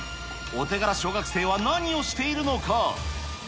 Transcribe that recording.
お手柄小学生は何をしているのか。